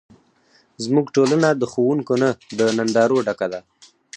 زموږ ټولنه د ښوونکو نه، د نندارو ډکه ده.